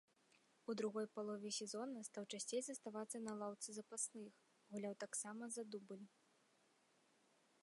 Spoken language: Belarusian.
У другой палове сезона стаў часцей заставацца на лаўцы запасных, гуляў таксама за дубль.